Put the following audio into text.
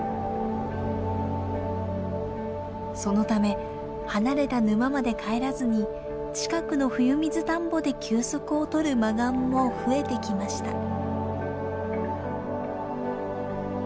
そのため離れた沼まで帰らずに近くのふゆみずたんぼで休息を取るマガンも増えてきました。